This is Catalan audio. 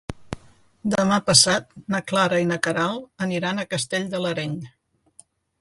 Demà passat na Clara i na Queralt aniran a Castell de l'Areny.